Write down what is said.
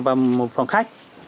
và một phòng khách